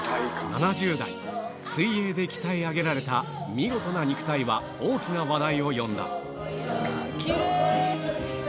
７０代水泳で鍛え上げられた見事な肉体は大きな話題を呼んだキレイ！